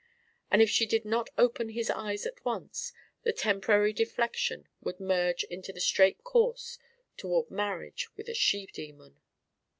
And if she did not open his eyes at once, the temporary deflection would merge into the straight course toward marriage with a she demon....